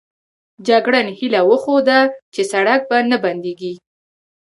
جګړن هیله وښوده چې سړک به نه بندېږي.